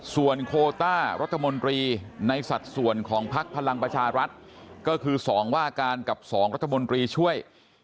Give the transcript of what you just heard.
ส่วนโคต้ารัฐมนตรีในสัดส่วนของพักพลังประชารัฐก็คือ๒ว่าการกับ๒รัฐมนตรีช่วย